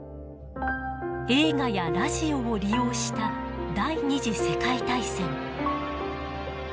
映画やラジオを利用した第二次世界大戦。